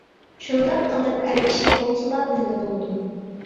شۇنداق قىلىپ ئەر كىشى بولسىلا بىللە بولدۇم.